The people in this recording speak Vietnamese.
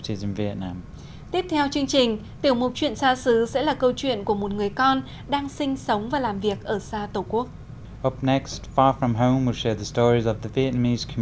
tiếp theo chương trình tiểu mục chuyện xa xứ sẽ là câu chuyện của một người con đang sinh sống và làm việc ở xa tổ quốc